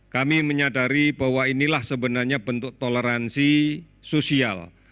kami menyadari bahwa inilah sebenarnya bentuk toleransi sosial